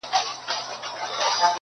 دا بې ذوقه بې هنره محفلونه زموږ نه دي,